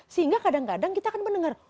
sehingga kadang kadang kita akan mendengar